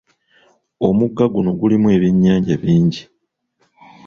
Omugga guno gulimu ebyennyanja bingi.